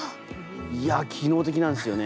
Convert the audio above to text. いや機能的なんですよね。